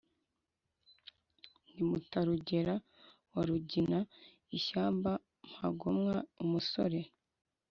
Ndi Mutarugera wa Rugina, ishyanga mpagomwa umusore